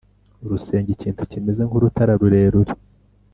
urusenge: ikintu kimeze nk’urutara rurerure